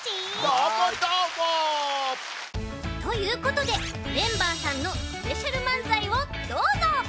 どーもどーも！ということでメンバーさんのスペシャルまんざいをどうぞ！